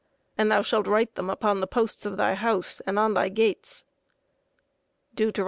... And thou shalt write them upon the posts of thy house, and on thy gates. Deut.